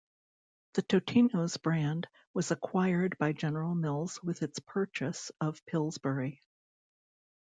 The Totino's brand was acquired by General Mills with its purchase of Pillsbury.